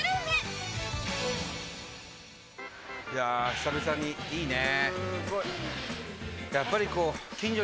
久々にいいね。